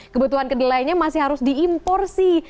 kebutuhan kedelainya masih harus diimpor sih